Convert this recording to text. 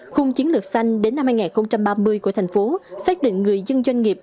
khung chiến lược xanh đến năm hai nghìn ba mươi của thành phố xác định người dân doanh nghiệp